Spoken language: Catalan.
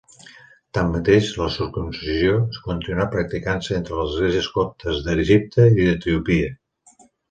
Tanmateix, la circumcisió continuà practicant-se entre les esglésies coptes d'Egipte i d'Etiòpia.